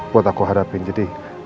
buat aku hadapin jadi